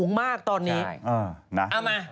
สนุนโดยดีที่สุดคือการให้ไม่สิ้นสุด